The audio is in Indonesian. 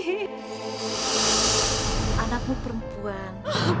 nyai anakmu perempuan